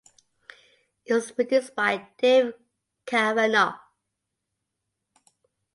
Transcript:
It was produced by Dave Cavanaugh.